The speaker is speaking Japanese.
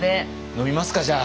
飲みますかじゃあ。